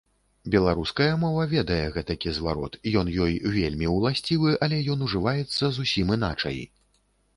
Беларуская мова ведае гэтакі зварот, ён ёй вельмі ўласцівы, але ён ужываецца зусім іначай.